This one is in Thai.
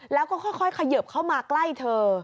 แล้วก็ค่อยเขยิบเข้ามาใกล้เธอ